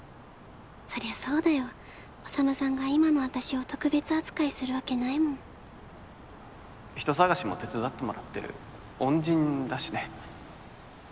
そりゃそうだよ宰さんが今の私を特別扱いするわけないもん人探しも手伝ってもらってる恩人だしね